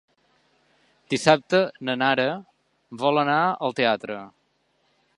Dissabte na Nara vol anar al teatre.